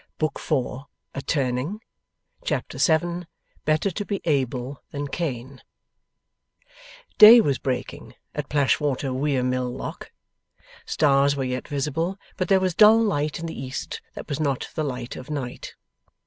Be gentle with her.' Chapter 7 BETTER TO BE ABEL THAN CAIN Day was breaking at Plashwater Weir Mill Lock. Stars were yet visible, but there was dull light in the east that was not the light of night.